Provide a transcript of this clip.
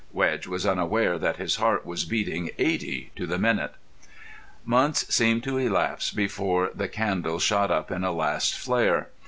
Wedge was unaware that his heart was beating eighty to the minute. Months seemed to elapse before the candle shot up in a last flare.